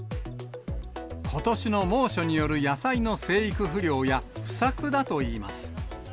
ことしの猛暑による野菜の生育不良や不作だといいます。